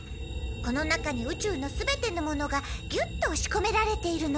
この中に宇宙の全てのものがギュッとおしこめられているの。